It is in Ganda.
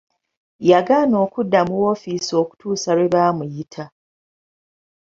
Yagaana okudda mu woofisi okutuusa lwe bamuyita.